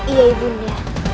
iya ibu nda